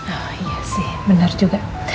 oh iya sih bener juga